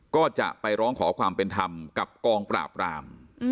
ก็จะไปร้องขอความเป็นธรรมกับกองปราบราม